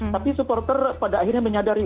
tapi supporter pada akhirnya menyadari